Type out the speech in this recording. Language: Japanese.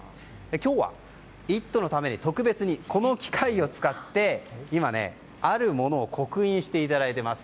今日は「イット！」のために特別に、この機械を使って今、あるものを刻印していただいています。